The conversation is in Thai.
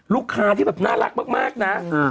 ลูกค้าที่แบบน่ารักมากนะ